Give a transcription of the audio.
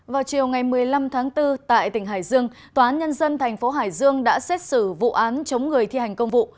vào chiều ngày một mươi năm tháng bốn tại tỉnh hải dương tòa án nhân dân thành phố hải dương đã xét xử vụ án chống người thi hành công vụ